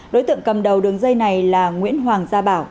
đối tượng cầm đầu đường dây này là nguyễn hoàng gia bảo